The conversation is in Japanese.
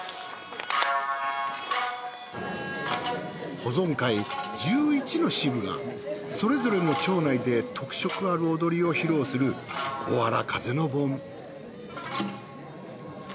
保存会１１の支部がそれぞれの町内で特色ある踊りを披露するおわら風の盆。